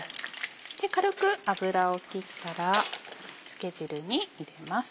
軽く油を切ったら漬け汁に入れます。